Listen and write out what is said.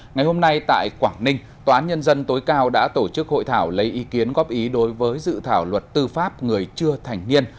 ngày hôm nay tại quảng ninh tòa án nhân dân tối cao đã tổ chức hội thảo lấy ý kiến góp ý đối với dự thảo luật tư pháp người chưa thành niên